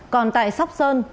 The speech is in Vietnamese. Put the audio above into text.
còn tại sóc sơn